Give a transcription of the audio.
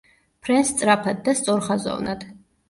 ფრენს სწრაფად და სწორხაზოვნად.